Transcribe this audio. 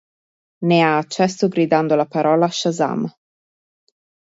Ne ha accesso gridando la parola "Shazam!